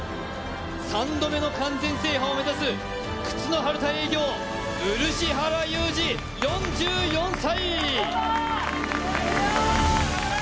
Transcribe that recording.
３度目の完全制覇を目指す靴のハルタ営業、漆原裕治４４歳。